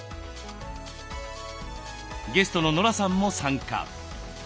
ゲストのノラさんも参加。